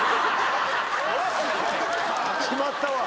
決まったわ。